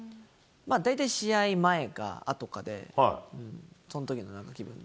大体、試合前かあとかで、そのときの気分で。